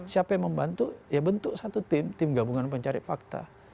siapa yang membantu ya bentuk satu tim tim gabungan pencari fakta